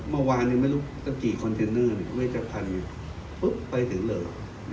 เมื่อวานไม่รู้สักกี่คอนเทนเนอร์เวชพันธุ์ปุ๊บไปถึงเลย